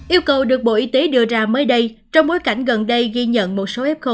yêu cầu được bộ y tế đưa ra mới đây trong bối cảnh gần đây ghi nhận một số for